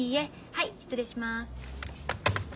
はい失礼します。